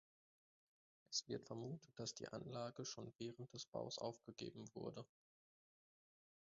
Es wird vermutet, dass die Anlage schon während des Baus aufgegeben wurde.